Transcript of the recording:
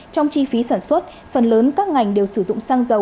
trong chi phí sản xuất phần lớn các ngành đều sử dụng xăng dầu